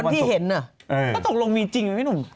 ที่เห็นน่ะแล้วตกลงมีจริงไหมพี่หนุ่ม